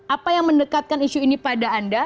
apa yang mendekatkan isu ini pada anda